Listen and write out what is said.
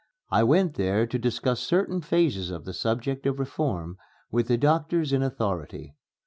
I went there to discuss certain phases of the subject of reform with the doctors in authority.